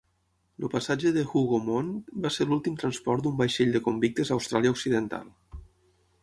El passatge de "Hougoumont" va ser l'últim transport d'un vaixell de convictes a Austràlia Occidental.